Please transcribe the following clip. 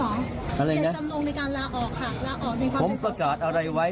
อะไรนะจะจำลงในการลาออกค่ะลาออกในความเป็นส่วนของผมประกาศอะไรไว้